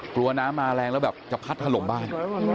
กลัวน้ำมาแรงแล้วแบบจะพัดถล่มบ้าน